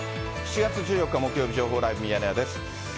７月１４日木曜日、情報ライブミヤネ屋です。